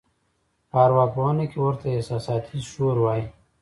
په اروا پوهنه کې ورته احساساتي شور وایي.